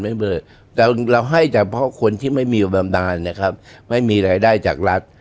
แต่เราให้เฉพาะคนที่ไม่มีบำนานไม่มีรายได้จากรัฐ